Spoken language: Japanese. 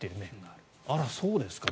あら、そうですか。